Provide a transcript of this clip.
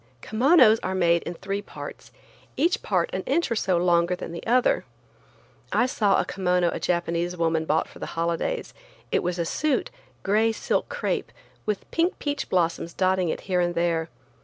Kimonos are made in three parts, each part an inch or so longer than the other. I saw a kimono a Japanese woman bought for the holidays. It was a suit, gray silk crepe, with pink peach blossoms dotting it here and there.